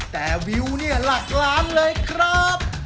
แต่วิวเนี่ยหลักล้านเลยครับ